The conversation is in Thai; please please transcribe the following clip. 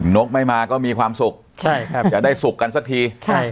นกไม่มาก็มีความสุขจะได้สุขกันสักที